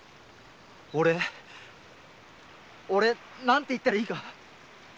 俺何て言ったらいいか。